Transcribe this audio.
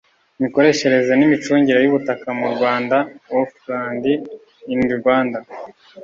imikoreshereze n imicungire y ubutaka mu rwanda of land in rwanda